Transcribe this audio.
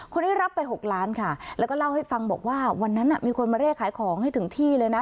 คนนี้รับไป๖ล้านค่ะแล้วก็เล่าให้ฟังบอกว่าวันนั้นมีคนมาเรียกขายของให้ถึงที่เลยนะ